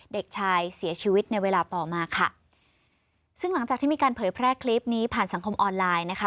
เด็กชายเสียชีวิตในเวลาต่อมาค่ะซึ่งหลังจากที่มีการเผยแพร่คลิปนี้ผ่านสังคมออนไลน์นะคะ